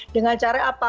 dengan cara apa